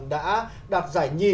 đã đạt giải nhì